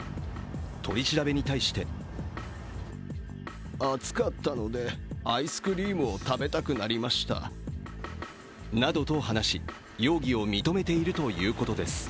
取り調べに対してなどと話し、容疑を認めているということです。